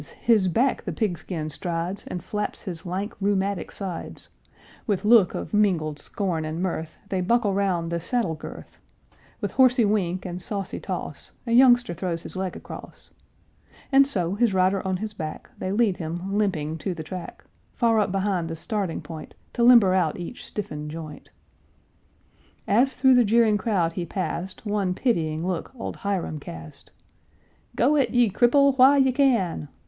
his back the pig skin strides And flaps his lank, rheumatic sides; With look of mingled scorn and mirth They buckle round the saddle girth; With horsey wink and saucy toss A youngster throws his leg across, And so, his rider on his back, They lead him, limping, to the track, Far up behind the starting point, To limber out each stiffened joint. [Illustration: "To limber out each stiffened joint"] As through the jeering crowd he past, One pitying look old Hiram cast; "Go it, ye cripple, while ye can!"